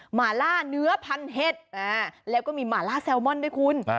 หมาล่าเนื้อพันเห็ดแล้วก็มีหมาล่าแซลมอนด้วยคุณ